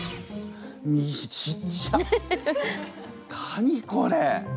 何これ！？